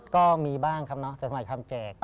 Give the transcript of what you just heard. ก็มีบ้างครับเนอะแต่ทำไมทำแจกครับ